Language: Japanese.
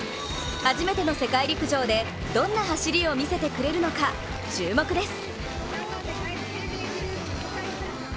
初めての世界陸上でどんな走りを見せてくれるのか、注目です。